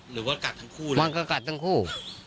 หรือว่ากัดทั้งคู่เลยมันก็กัดทั้งคู่